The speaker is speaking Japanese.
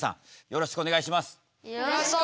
よろしくお願いします。